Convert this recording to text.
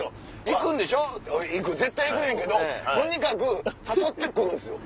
行く絶対行くねんけどとにかく誘って来るんですよ。